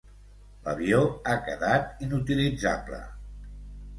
L'avió ha quedat inutilitzable.